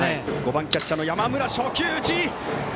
５番キャッチャーの山村初球打ち。